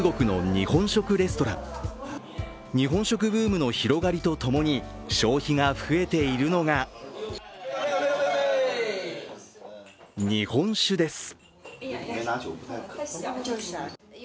日本食ブームの広がりとともに消費が増えているのが日本酒です。